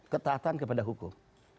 ketatan kepada hukum